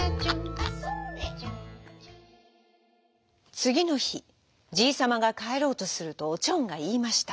つぎのひじいさまがかえろうとするとおちょんがいいました。